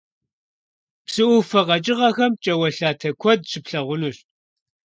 Псы Ӏуфэ къэкӀыгъэхэм пкӀауэлъатэ куэд щыплъагъунущ.